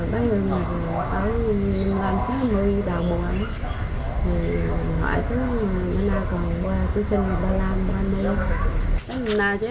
bác người mình ở lâm sinh lâm sinh lâm sinh lâm sinh lâm sinh lâm sinh lâm sinh lâm sinh lâm sinh lâm sinh lâm sinh lâm sinh